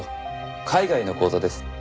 海外の口座です。